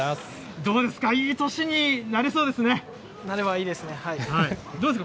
どうですか、いい年になりそなればいいですね。